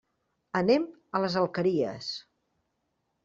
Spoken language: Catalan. Anem a les Alqueries.